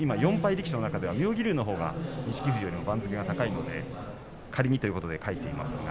力士の中では妙義龍のほうが錦富士より番付が高いので仮にということで書いています。